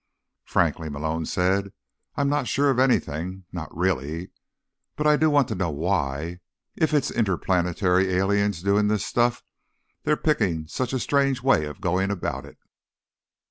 "Frankly," Malone said, "I'm not sure of anything. Not really. But I do want to know why, if it's interplanetary aliens doing this stuff, they're picking such a strange way of going about it."